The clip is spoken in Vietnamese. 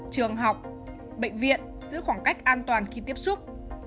trường học bệnh viện giữ khoảng cách an toàn khi tiếp xúc